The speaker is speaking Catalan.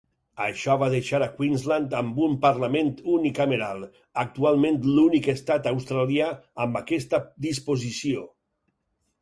Això va deixar a Queensland amb un parlament unicameral, actualment l'únic estat australià amb aquesta disposició.